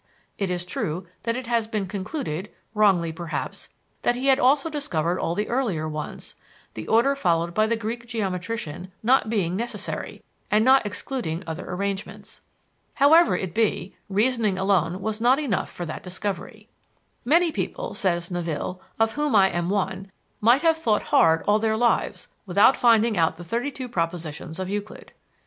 It is true that it has been concluded, wrongly perhaps, that he had also discovered all the earlier ones, the order followed by the Greek geometrician not being necessary, and not excluding other arrangements. However it be, reasoning alone was not enough for that discovery. "Many people," says Naville, "of whom I am one, might have thought hard all their lives without finding out the thirty two propositions of Euclid."